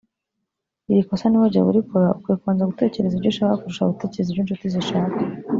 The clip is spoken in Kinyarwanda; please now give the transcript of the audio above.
Iri kosa niba wajyaga urikora ukwiye kubanza gutekereza ibyo ushaka kurusha gutekereza ibyo inshuti zishaka